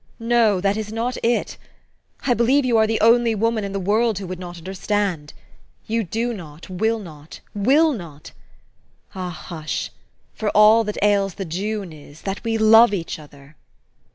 " No, that is not it. I believe you are the only woman in the world who would not understand. You do not, will not, will not. Ah, hush ! For all that ails the June is, that we love each other."